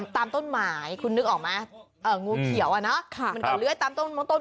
ตามต้นหมายคุณนึกออกมางูเขียวอ่ะเนอะมันก็เลื้อตามต้น